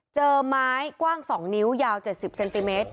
เจอไม้กว้างสองนิ้วยาวเจ็ดสิบเซนติเมตร